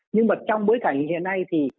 nhưng mà trong bối cảnh hiện nay thì